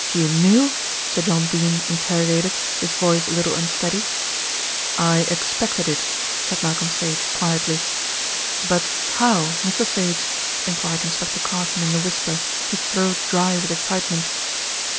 "You knew?" Sir John Dene interrogated, his voice a little unsteady. "I expected it," said Malcolm Sage quietly. "But how, Mr. Sage?" enquired Inspector Carfon in a whisper, his throat dry with excitement.